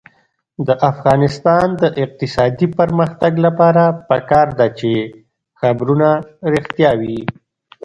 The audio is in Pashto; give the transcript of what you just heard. د افغانستان د اقتصادي پرمختګ لپاره پکار ده چې خبرونه رښتیا وي.